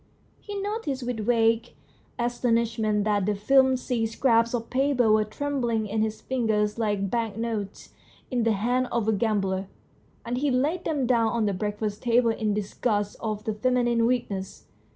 He noticed with a vague astonishment that the flimsy scraps of paper were trembling in his fingers like banknotes in the hands of a gambler, and he laid them down on the breakfast table in disgust of the feminine weakness.